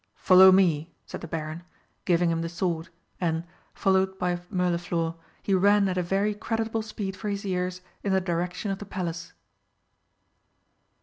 "Follow me," said the Baron, giving him the sword and, followed by Mirliflor, he ran at a very creditable speed for his years in the direction of the Palace.